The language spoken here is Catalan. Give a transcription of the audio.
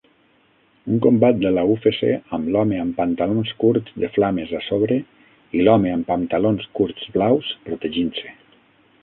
Un combat de la UFC amb l'home amb pantalons curts de flames a sobre i l'home amb pantalons curts blaus protegint-se